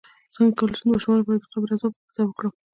څنګه کولی شم د ماشومانو لپاره د قبر عذاب کیسه وکړم